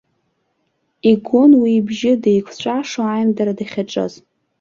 Игон уи ибжьы деикәҵәашо аимдара дахьаҿыз.